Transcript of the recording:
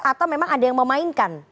atau memang ada yang memainkan